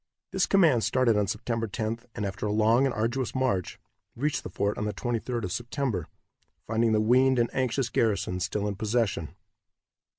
This command started on September 10th, and after a long and arduous march, reached the fort on the 23d of September, finding the weaned and anxious garrison still in possession.